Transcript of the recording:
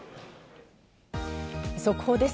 速報です。